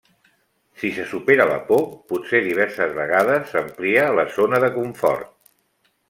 Si se supera la por, potser diverses vegades, s'amplia la zona de confort.